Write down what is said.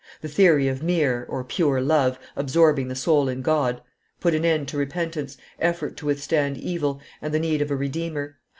The theory of mere (pure) love absorbing the soul in God put an end to repentance, effort to withstand evil, and the need of a Redeemer.